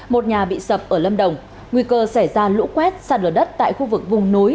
một nhà bị sập ở lâm đồng nguy cơ xảy ra lũ quét xa lở đất tại khu vực vùng núi